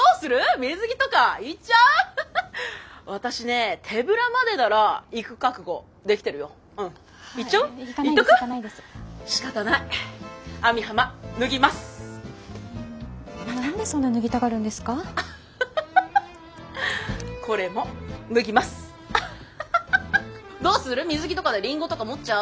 水着とかでりんごとか持っちゃう？